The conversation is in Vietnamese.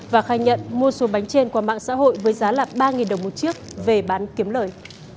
và khai nhận mua số bánh trên qua mạng xã hội với giá ba đồng một chiếc về bán kiếm lời